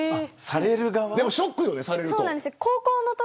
でもショックよね、されると。